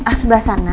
ah sebelah sana